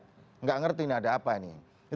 tidak mengerti ini ada apa ini